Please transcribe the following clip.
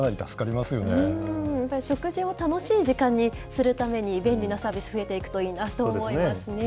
また食事を楽しい時間にするために、便利なサービス増えていくといいなと思いますね。